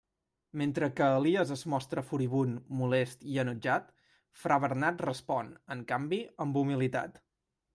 Mentre que Elies es mostra furibund, molest i enutjat, fra Bernat respon, en canvi, amb humilitat.